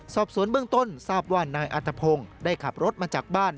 สอบสวนเบื้องต้นทราบว่านายอัตภพงศ์ได้ขับรถมาจากบ้าน